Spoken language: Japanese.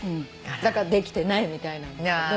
だからできてないみたいなんだけど。